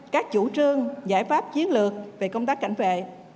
các chủ trương giải pháp chiến lược về công tác cảnh vệ